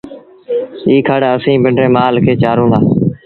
ايٚ کڙ اسيٚݩ پنڊري مآل کي چآرون دآ